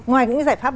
ngoài những giải pháp